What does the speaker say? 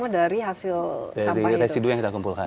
dari residu yang kita kumpulkan